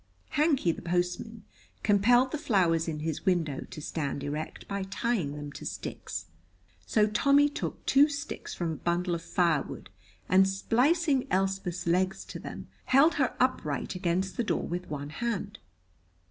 Hankey, the postman, compelled the flowers in his window to stand erect by tying them to sticks, so Tommy took two sticks from a bundle of firewood, and splicing Elspeth's legs to them, held her upright against the door with one hand.